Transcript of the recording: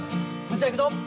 じゃあいくぞ！